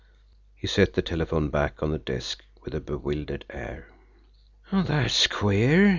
He set the telephone back on the desk with a bewildered air. "That's queer!"